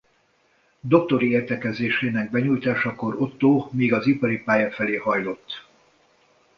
Doktori értekezésének benyújtásakor Otto még az ipari pálya felé hajlott.